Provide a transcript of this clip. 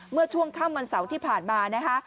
เมื่อช่วงค่ำวันเสาร์ที่ผ่านมานะคะ